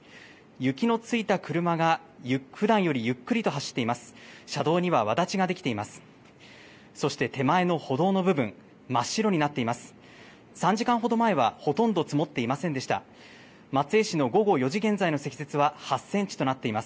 雪のついた車がふだんよりゆっくりと走っています。